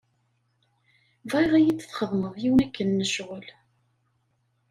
Bɣiɣ ad iyi-txedmeḍ yiwen akken n ccɣel.